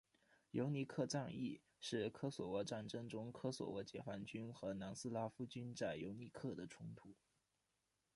尤尼克战役是科索沃战争中科索沃解放军和南斯拉夫军在尤尼克的冲突。